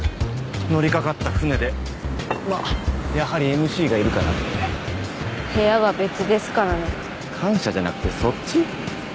乗りかかった舟でまあやはりＭＣがいるからね部屋は別ですからね感謝じゃなくてそっち？